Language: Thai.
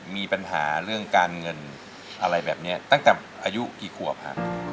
มีปัญหาเรื่องการเงินอะไรแบบนี้ตั้งแต่อายุกี่ขวบฮะ